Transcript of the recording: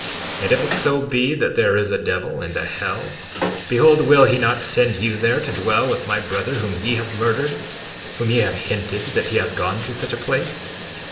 54:22 And if it so be that there is a devil and a hell, behold will he not send you there to dwell with my brother whom ye have murdered, whom ye have hinted that he hath gone to such a place?